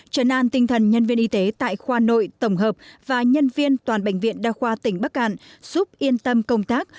trấn an tinh thần nhân viên y tế tại khoa nội tổng hợp và nhân viên toàn bệnh viện đa khoa tỉnh bắc cạn giúp yên tâm công tác